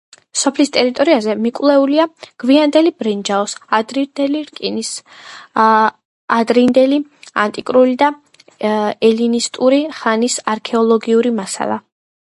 სოფლის ტერიტორიაზე მიკვლეულია გვიანდელი ბრინჯაოს, ადრინდელი რკინის, ადრინდელი ანტიკური და ელინისტური ხანის არქეოლოგიური მასალა.